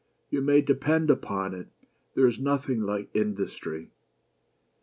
You may depend upon it there is noth ing like industry.